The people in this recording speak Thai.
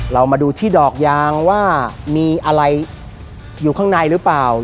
เรามาดูที่ดอกยางว่ามีอะไรอยู่ข้างในหรือเปล่า